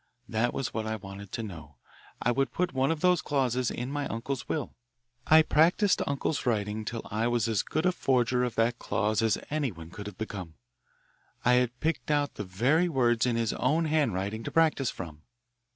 That was what I wanted to know. I would put one of those clauses in my uncle's will. I practised uncle's writing till I was as good a forger of that clause as anyone could have become. I had picked out the very words in his own handwriting to practise from.